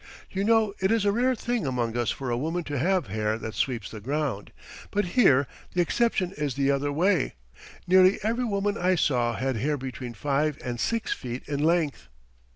You know it is a rare thing among us for a woman to have hair that sweeps the ground, but here the exception is the other way; nearly every woman I saw had hair between five and six feet in length.